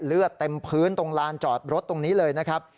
เลือดเต็มพื้นตรงลานจอดรถตรงนี้เลยนะครับ